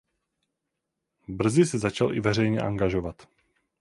Brzy se začal i veřejně angažovat.